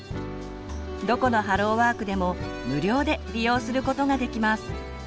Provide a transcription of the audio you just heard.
どこのハローワークでも無料で利用することができます。